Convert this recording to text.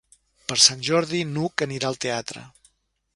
Per Sant Jordi n'Hug anirà al teatre.